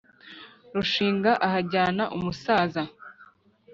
rushinga ahajyana umusaza,